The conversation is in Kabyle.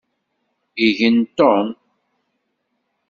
Igen Tom.